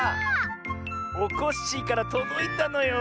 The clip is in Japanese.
おこっしぃからとどいたのよ。